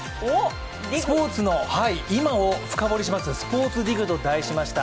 スポーツの今を深掘りします「ｓｐｏｒｔｓＤＩＧ」と題しました。